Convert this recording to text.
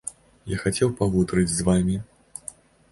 Я хацеў пагутарыць з вамі.